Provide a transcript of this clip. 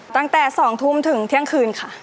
ตั้งแต่๒ทุ่มถึงเที่ยงคืนค่ะ